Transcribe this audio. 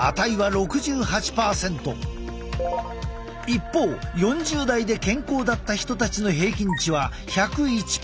一方４０代で健康だった人たちの平均値は１０１％だった。